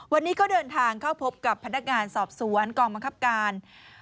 วันนี้ก็เดินทางเข้าพบกับพนักงานสอบสวนกองบังคับการ